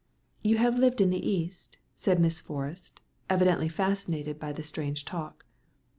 "You have lived in the East?" said Miss Forrest, evidently fascinated by the strange talk.